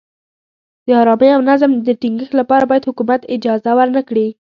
د ارامۍ او نظم د ټینګښت لپاره باید حکومت اجازه ورنه کړي.